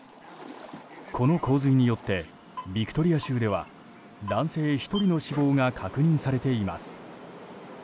この洪水によってビクトリア州では男性１人の死亡が確認されています。